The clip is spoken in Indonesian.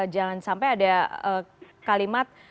jangan sampai ada kalimat